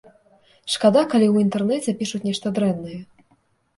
Шкада, калі ў інтэрнэце пішуць нешта дрэннае.